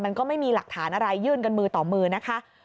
มันก็ไม่มีหลักฐานอะไรยื่นกันมือต่อมือนะคะ